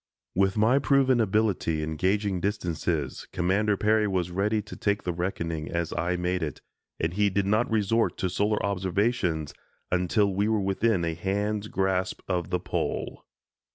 With my proven ability in gauging distances, Commander Peary was ready to take the reckoning as I made it and he did not resort to solar observations until we were within a hand's grasp of the Pole.